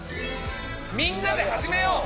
みんなで始めよう！